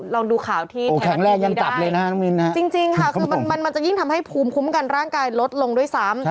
ลองดูข่าวที่แข่งแรกดีดีได้จริงค่ะคือมันจะยิ่งทำให้ภูมิคุ้มกันร่างกายลดลงด้วยซ้ำ